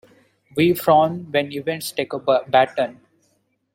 We frown when events take a bad turn.